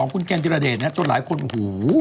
คุณแกนดิราเดชจนหลายคนโห